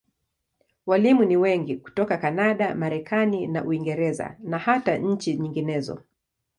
Walimu ni wengi hutoka Kanada, Marekani na Uingereza, na hata nchi nyinginezo.